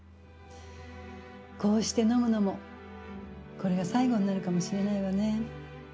こうして飲むのもこれが最後になるかもしれないわね。